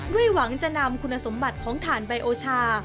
ด้วยหวังจะนำคุณสมบัติของฐานไบโอชา